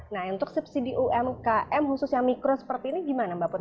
nah untuk subsidi umkm khususnya mikro seperti ini gimana mbak putri